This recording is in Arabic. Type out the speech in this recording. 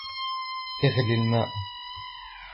اغلي الماء